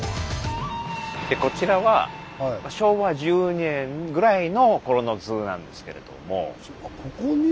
こちらは昭和１２年ぐらいの頃の図なんですけれども。